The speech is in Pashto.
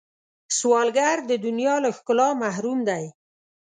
سوالګر د دنیا له ښکلا محروم دی